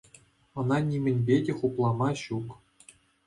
Ӑна нимӗнпе те хуплама ҫук.